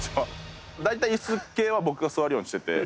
大体椅子系は僕が座るようにしてて。